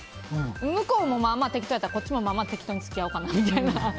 向こうもまあまあ適当やったらこっちも適当に付き合おうかなみたいな。